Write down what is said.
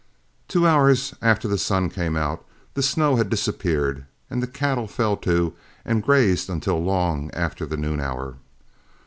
Two hours after the sun came out, the snow had disappeared, and the cattle fell to and grazed until long after the noon hour.